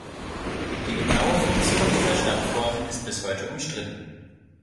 Die genaue Funktion dieser Stammformen ist bis heute umstritten.